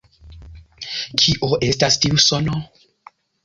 Kio estas tiu sono?